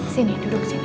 sini duduk sini